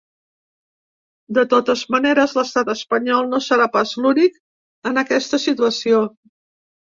De totes maneres, l’estat espanyol no serà pas l’únic en aquesta situació.